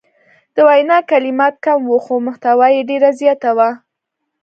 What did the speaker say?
د وینا کلمات کم وو خو محتوا یې ډیره زیاته وه.